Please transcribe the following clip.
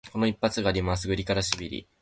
この一発があります、グリガラシビリ。